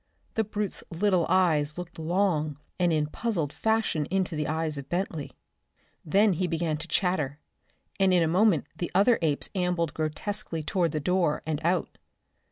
The brute's little eyes looked long and in puzzled fashion into the eyes of Bentley. Then he began to chatter, and in a moment the other apes ambled grotesquely toward the door and out.